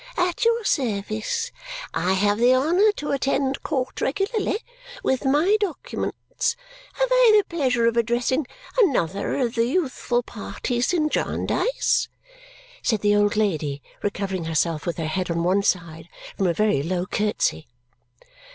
At your service. I have the honour to attend court regularly. With my documents. Have I the pleasure of addressing another of the youthful parties in Jarndyce?" said the old lady, recovering herself, with her head on one side, from a very low curtsy.